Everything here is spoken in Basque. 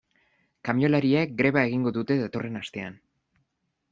Kamioilariek greba egingo dute datorren astean.